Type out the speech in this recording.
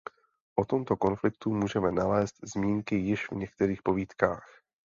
O tomto konfliktu můžeme nalézt zmínky již v některých povídkách.